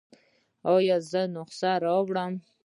ایا زه نسخه راوړم؟